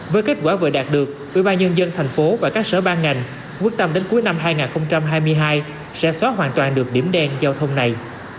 với kết quả vừa đạt được ủy ban nhân dân thành phố và các sở ban ngành quyết tâm đến cuối năm hai nghìn hai mươi hai sẽ xóa hoàn toàn được điểm đen giao thông này